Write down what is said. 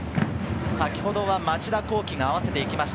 先ほどは町田浩樹が合わせて行きました。